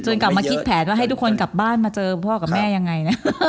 กลับมาคิดแผนว่าให้ทุกคนกลับบ้านมาเจอพ่อกับแม่ยังไงนะ